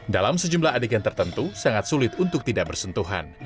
dalam sejumlah adegan tertentu sangat sulit untuk tidak bersentuhan